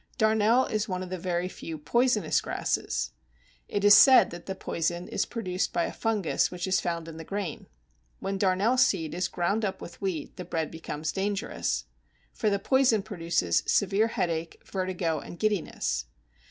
Darnel is one of the very few poisonous grasses. It is said that the poison is produced by a fungus which is found in the grain. When darnel seed is ground up with wheat the bread becomes dangerous, for the poison produces severe headache, vertigo, and giddiness.